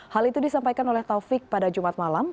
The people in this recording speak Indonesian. hal itu disampaikan oleh taufik pada jumat malam